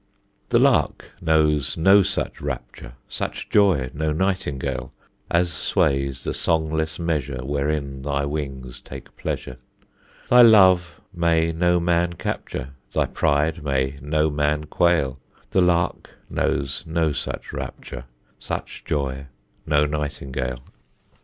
The lark knows no such rapture, Such joy no nightingale, As sways the songless measure, Wherein thy wings take pleasure: Thy love may no man capture, Thy pride may no man quail; The lark knows no such rapture, Such joy no nightingale.